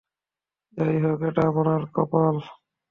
যাইহোক, এটা আপনার কপাল।